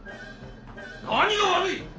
何が悪い！